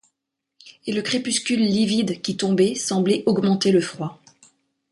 Et le crépuscule livide qui tombait semblait augmenter le froid.